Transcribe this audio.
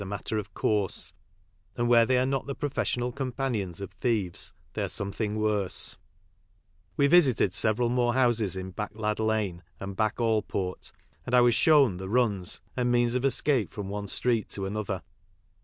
a mat tor of course, and where they are not the pro fessional companions of thieves they are something T^ff' YJ 81 ted several more houses in Back Lad lane and Back Allport, and I was shown the «nXr t. T anS 0f , esca P e from one str eet to « U i, J